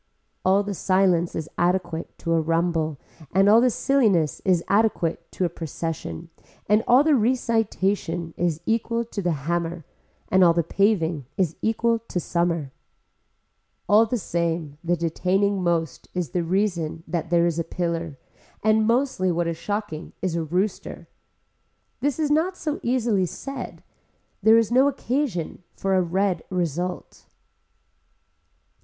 All the silence is adequate to a rumble and all the silliness is adequate to a procession and all the recitation is equal to the hammer and all the paving is equal to summer. All the same the detaining most is the reason that there is a pillar and mostly what is shocking is a rooster. This is not so easily said. There is no occasion for a red result.